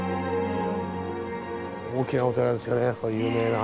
大きなお寺ですよね有名な。